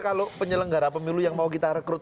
kalau penyelenggara pemilu yang mau kita rekrut